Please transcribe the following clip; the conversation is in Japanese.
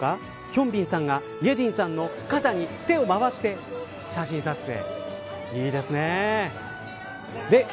ヒョンビンさんがイェジンさんの肩に手を回して写真撮影。